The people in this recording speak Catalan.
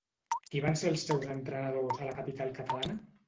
Qui van ser els seus entrenadors a la capital catalana?